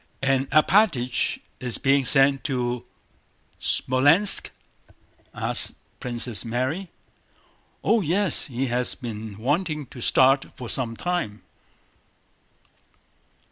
"And Alpátych is being sent to Smolénsk?" asked Princess Mary. "Oh, yes, he has been waiting to start for some time."